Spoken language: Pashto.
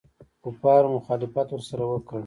کفارو مخالفت ورسره وکړ.